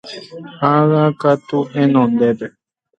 Ág̃akatu henondépe.